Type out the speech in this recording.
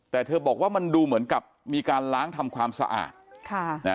แต่เธอบอกว่ามันดูเหมือนกับมีการล้างทำความสะอาดค่ะนะ